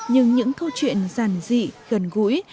nhưng những câu chuyện rằn rị gần gũi